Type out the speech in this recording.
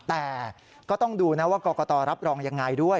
แต่ก็ต้องดูนะว่ากรกตรับรองยังไงด้วย